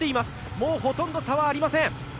もうほとんど差はありません。